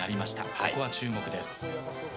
ここは注目です。